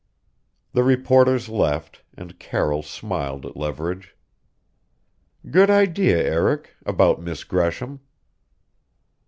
The reporters left, and Carroll smiled at Leverage. "Good idea, Eric about Miss Gresham."